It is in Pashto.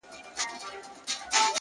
د نيمي شپې د خاموشۍ د فضا واړه ستـوري ـ